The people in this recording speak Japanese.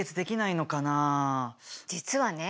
実はね